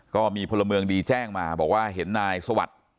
ก็มีพลเมืองดีแจ้งมาบอกว่าเห็นนายสวัสดิ์